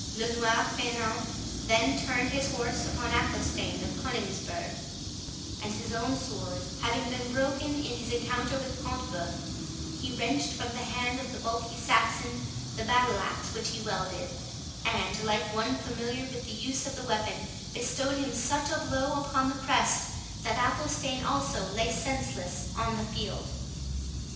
"Le Noir Faineant" then turned his horse upon Athelstane of Coningsburgh; and his own sword having been broken in his encounter with Front de Bœuf, he wrenched from the hand of the bulky Saxon the battle axe which he wielded, and, like one familiar with the use of the weapon, bestowed him such a blow upon the crest, that Athelstane also lay senseless on the field.